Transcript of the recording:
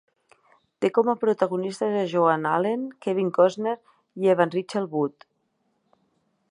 Te com a protagonistes a Joan Allen, Kevin Costner i Evan Rachel Wood.